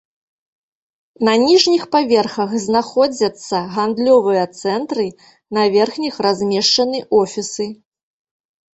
На ніжніх паверхах знаходзяцца гандлёвыя цэнтры, на верхніх размешчаны офісы.